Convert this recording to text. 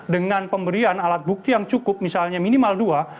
dengan pemberian alat bukti yang cukup misalnya minimal dua